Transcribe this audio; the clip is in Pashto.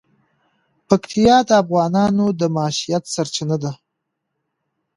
پکتیا د افغانانو د معیشت سرچینه ده.